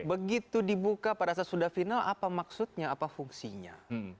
begitu dibuka pada saat sudah final apa maksudnya apa fungsinya